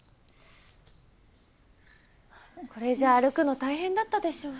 これじゃあ歩くの大変だったでしょう？